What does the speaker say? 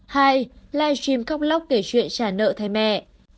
hai livestream khóc lóc kể chuyện trả nợ thay mẹ